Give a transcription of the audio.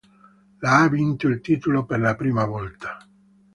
La ha vinto il titolo per la prima volta.